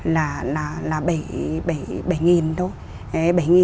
là bảy thôi